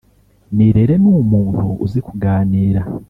Nirere ni umuntu uzi kuganira